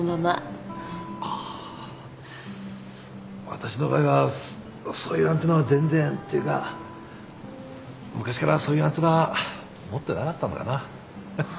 私の場合はそういうアンテナは全然っていうか昔からそういうアンテナは持ってなかったのかな。